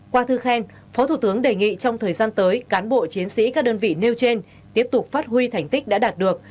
qua thư khen phó thủ tướng đề nghị trong thời gian tới cán bộ chiến sĩ các đơn vị nêu trên tiếp tục phát huy thành tích đã đạt được